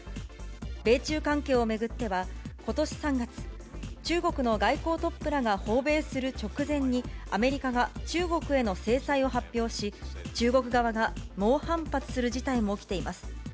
米中関係を巡っては、ことし３月、中国の外交トップらが訪米する直前に、アメリカが中国への制裁を発表し、中国側が猛反発する事態も起きています。